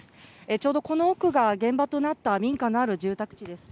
ちょうどこの奥が、現場となった民家のある住宅地です。